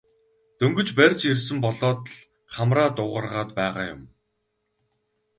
Дөнгөж барьж ирсэн болоод л хамраа дуугаргаад байгаа юм.